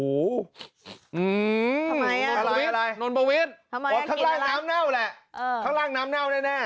อืมนอนปวิทย์ข้างล่างน้ำเน่าแหละ